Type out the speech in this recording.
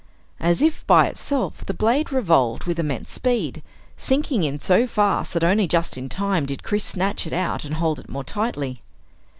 As if by itself the blade revolved with immense speed, sinking in so fast that only just in time did Chris snatch it out and hold it more tightly.